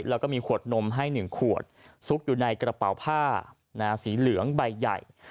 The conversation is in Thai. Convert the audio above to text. แล้วก็มีขวดนมให้๑ขวดซุกอยู่ในกระเป๋าผ้าสีเหลืองใบใหญ่